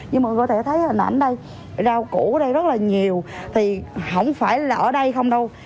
như mọi người có thể thấy hình ảnh đây rau củ ở đây rất là nhiều thì không phải là ở đây không đâu